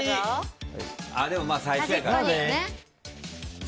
でも、最初やから。